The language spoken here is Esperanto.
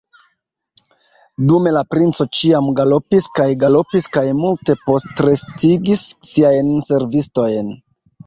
Dume la princo ĉiam galopis kaj galopis kaj multe postrestigis siajn servistojn.